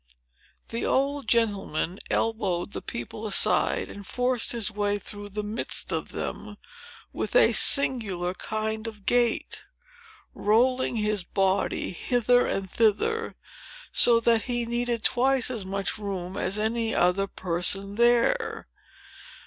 The old gentleman elbowed the people aside, and forced his way through the midst of them with a singular kind of gait, rolling his body hither and thither, so that he needed twice as much room as any other person there.